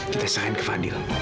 kita serahin ke fadil